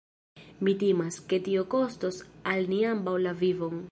Mi timas, ke tio kostos al ni ambaŭ la vivon.